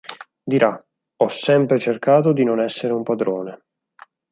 Dirà: "Ho sempre cercato di non essere un padrone".